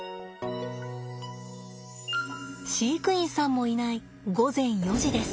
飼育員さんもいない午前４時です。